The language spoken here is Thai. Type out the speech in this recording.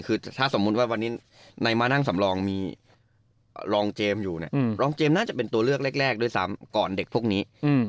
คือถ้าสมมุติว่าวันนี้ในมานั่งสำรองมีรองเจมส์อยู่เนี่ยรองเจมส์น่าจะเป็นตัวเลือกแรกด้วยซ้ำก่อนเด็กพวกนี้